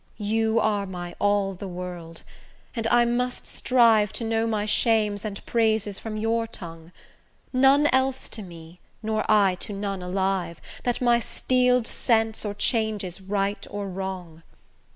You are my all the world, and I must strive To know my shames and praises from your tongue; None else to me, nor I to none alive, That my steel'd sense or changes right or wrong.